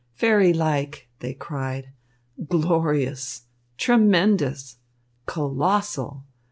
"Fairylike!" they cried. "Glorious!" "Tremendous!" "Colossal!"